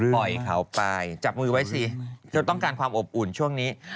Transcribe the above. ปล่อยเขาไปจับมือไว้สิจนต้องการความอบอุ่นช่วงนี้